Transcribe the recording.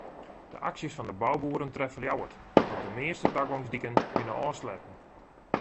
De aksjes fan de bouboeren treffe Ljouwert want de measte tagongsdiken binne ôfsletten.